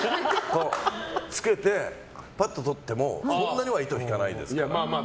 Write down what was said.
つけて、ぱっと取ってもそんなには糸引かないです。